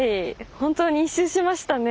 本当に一周しましたね。